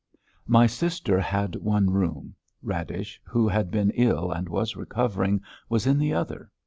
My sister had one room. Radish, who had been ill and was recovering, was in the other.